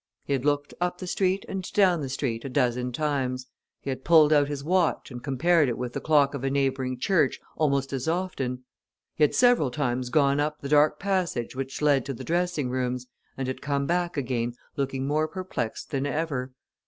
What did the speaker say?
He had looked up the street and down the street a dozen times; he had pulled out his watch and compared it with the clock of a neighbouring church almost as often; he had several times gone up the dark passage which led to the dressing rooms, and had come back again looking more perplexed than ever.